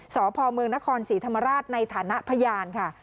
สพเมืองนครศรีธรรมราชในฐานะพยานค่ะ